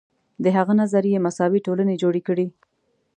د هغه نظریې مساوي ټولنې جوړې کړې.